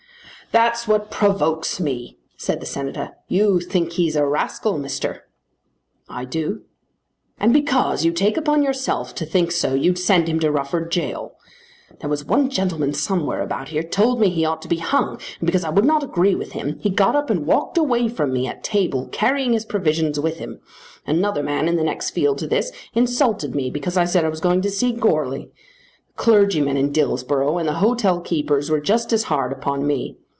"That's what provokes me," said the Senator. "You think he's a rascal, Mister." "I do." "And because you take upon yourself to think so you'd send him to Rufford gaol! There was one gentleman somewhere about here told me he ought to be hung, and because I would not agree with him he got up and walked away from me at table, carrying his provisions with him. Another man in the next field to this insulted me because I said I was going to see Goarly. The clergyman in Dillsborough and the hotelkeepers were just as hard upon me.